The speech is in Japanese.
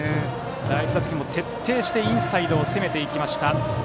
第１打席も徹底してインサイドを攻めていきました。